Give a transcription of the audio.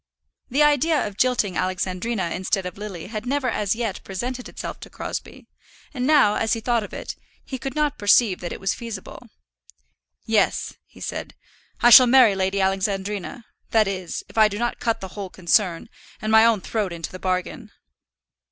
The idea of jilting Alexandrina instead of Lily had never as yet presented itself to Crosbie, and now, as he thought of it, he could not perceive that it was feasible. "Yes," he said, "I shall marry Lady Alexandrina; that is, if I do not cut the whole concern, and my own throat into the bargain."